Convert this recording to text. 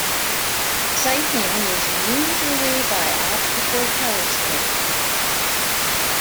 Sighting was usually by optical telescope.